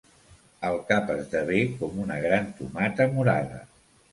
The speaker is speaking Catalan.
El cap esdevé com una gran tomata morada.